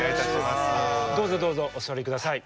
どうぞどうぞお座りください。